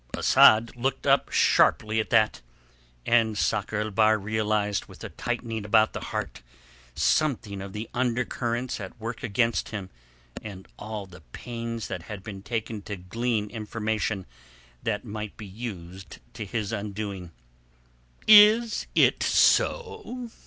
Asad looked up sharply at that, and Sakr el Bahr realized with a tightening about the heart something of the undercurrents at work against him and all the pains that had been taken to glean information that might be used to his undoing. "Is it so?"